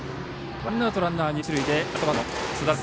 ワンアウトランナー、二塁です。